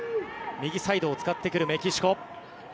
右サイドを使ってくるメキシコ。